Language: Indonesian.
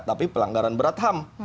tapi pelanggaran berat ham